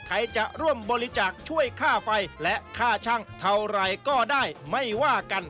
ใครจะร่วมบริจาคช่วยค่าไฟและค่าช่างเท่าไหร่ก็ได้ไม่ว่ากัน